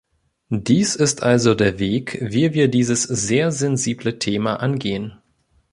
Dies ist also der Weg, wie wir dieses sehr sensible Thema angehen.